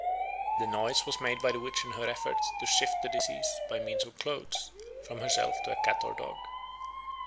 The noise was made by the witch in her efforts to shift the disease, by means of clothes, from herself to a cat or dog.